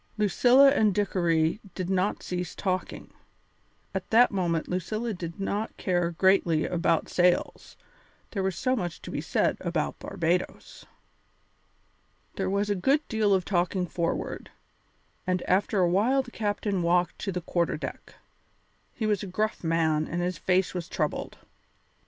Lucilla and Dickory did not cease talking. At that moment Lucilla did not care greatly about sails, there was so much to be said about Barbadoes. There was a good deal of talking forward, and after a while the captain walked to the quarter deck. He was a gruff man and his face was troubled.